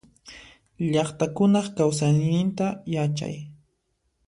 Llaqtakunaq kausayninta yachay.